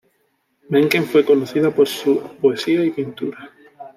Menken fue conocida por su poesía y pintura.